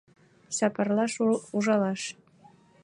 Сапарлаш — ужалаш.